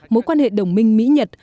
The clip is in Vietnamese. mối quan hệ đồng minh mỹ nhật